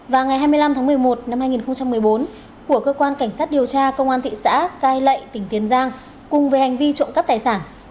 và ngày hai mươi năm tháng một mươi một năm hai nghìn một mươi bốn của cơ quan cảnh sát điều tra công an thị xã cai lậy tỉnh tiền giang cùng với hành vi trộm cắp tài sản